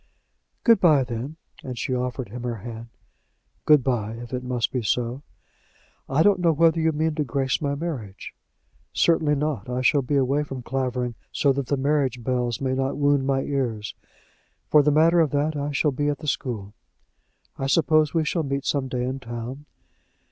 "Good by, then," and she offered him her hand. "Good by, if it must be so." "I don't know whether you mean to grace my marriage?" "Certainly not. I shall be away from Clavering, so that the marriage bells may not wound my ears. For the matter of that, I shall be at the school." "I suppose we shall meet some day in town."